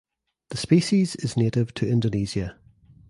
The species is native to Indonesia.